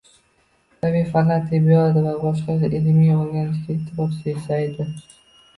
Tabiiy fanlar, tibbiyot va boshqa ilmlarni o‘rganishga e’tibor susaydi